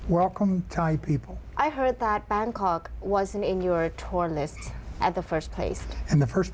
และมันหอมรรดาเวียง